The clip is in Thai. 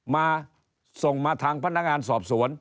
มาส่งมาทางพนักงานสอบสวน